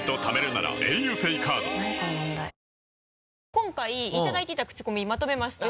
今回いただいていたクチコミまとめました。